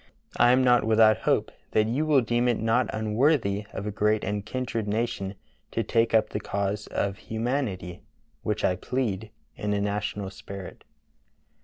I am not without hope that you will deem it not unworthy of a great and kindred nation to take up the cause of humanity, which I plead, in a national spirit."